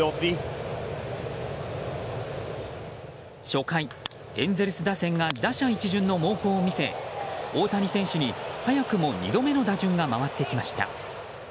初回、エンゼルス打線が打者一巡の猛攻を見せ大谷選手に早くも２度目の打順が回ってきました。